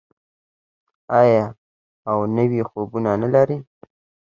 آیا او نوي خوبونه نلري؟